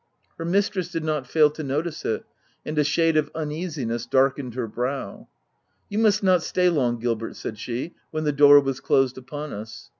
Her mistress did not fail to notice it, and a shade of uneasiness darkened her brow. " You must not stay long Gilbert," said she, when the door was closed upon us.